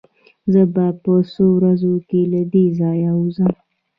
زه به په څو ورځو کې له دې ځايه ووځم.